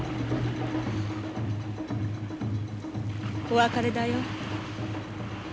お別れだよ。